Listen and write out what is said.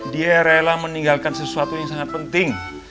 dia rela meninggalkan sesuatu yang sangat penting